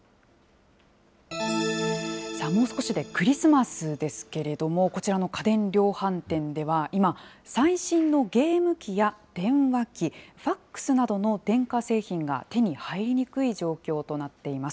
もう少しでクリスマスですけれども、こちらの家電量販店では今、最新のゲーム機や電話機、ファックスなどの電化製品が手に入りにくい状況となっています。